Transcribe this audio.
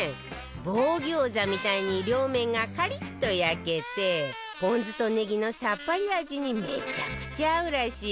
棒餃子みたいに両面がカリッと焼けてポン酢とネギのさっぱり味にめちゃくちゃ合うらしいわよ